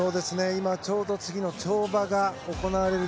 今ちょうど次の跳馬が行われる。